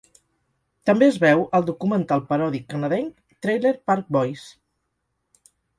També es veu al documental paròdic canadenc "Trailer Park Boys".